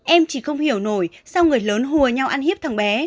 em chỉ không hiểu nổi sao người lớn hùa nhau ăn hiếp thằng bé